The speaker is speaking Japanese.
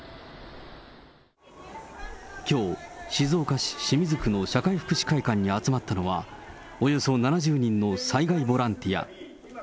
きょう、静岡市清水区の社会福祉会館に集まったのは、およそ７０人の災害ボランティア。